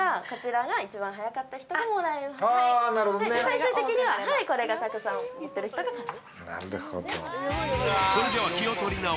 最終的に、これをたくさん持ってる人が勝ち。